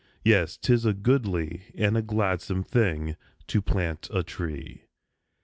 Yes, 'tis a goodly, and a gladsome thing To plant a tree.